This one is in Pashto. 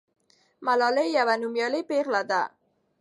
ملالۍ یوه نومیالۍ پیغله ده.